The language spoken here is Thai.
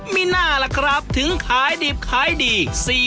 มีหน้าล่ะครับถึงขายดิบขายดี